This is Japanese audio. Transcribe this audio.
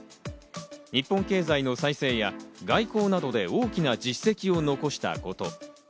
日本経済の再生や外交などで大きな実績を残したこと。